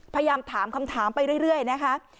พยายามถามคำถามไปเรื่อยนะคะ